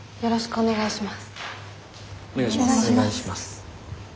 お願いします。